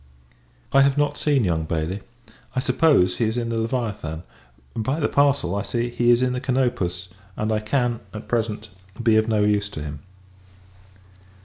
I have not seen young Bailey: I suppose, he is in the Leviathan. By the parcel, I see, he is in the Canopus; and I can, at present, be of no use to him.